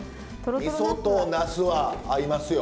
みそとナスは合いますよ。